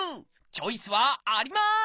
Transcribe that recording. チョイスはあります！